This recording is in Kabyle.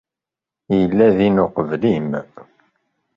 Yella din uqbel-im.